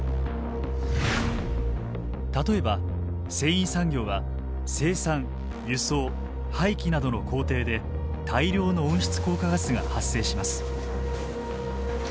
例えば繊維産業は生産輸送廃棄などの工程で大量の温室効果ガスが発生します。